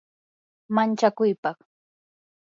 manchakuypaq